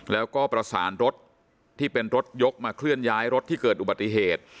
แล้วก็ประสานรถที่เป็นรถยกมาเคลื่อนย้ายรถที่เกิดอุบัติเหตุ